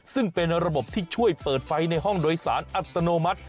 ซึ่งเป็นระบบที่ช่วยเปิดไฟในห้องโดยสารอัตโนมัติ